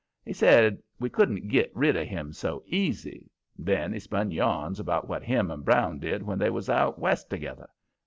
He said we couldn't git rid of him so easy. Then he spun yarns about what him and Brown did when they was out West together.